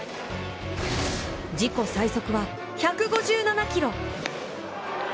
自己最速は１５７キロ。